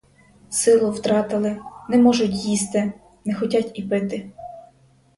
Силу втратили, не можуть їсти, не хотять і пити.